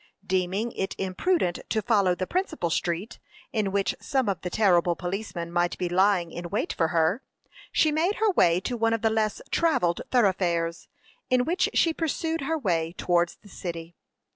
Deeming it imprudent to follow the principal street, in which some of the terrible policemen might be lying in wait for her, she made her way to one of the less travelled thoroughfares, in which she pursued her way towards the city.